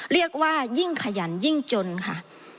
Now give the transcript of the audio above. เรียกว่ายิ่งขยันยิ่งจนค่ะ